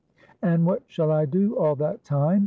"And what shall I do all that time?